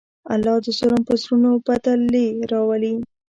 الله د ظلم په زړونو بدلې راولي.